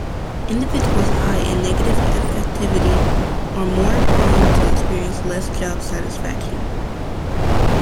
Individuals high in negative affectivity are more prone to experience less job satisfaction.